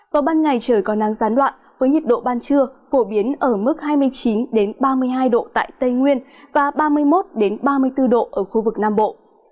còn ban ngày trời còn nắng gián đoạn với nhiệt độ ban trưa phổ biến ở mức hai mươi chín ba mươi hai độ tại tây nguyên và ba mươi một ba mươi bốn độ ở khu vực nam bộ